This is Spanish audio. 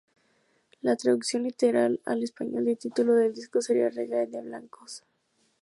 La traducción literal al español del título del disco sería "reggae de blancos".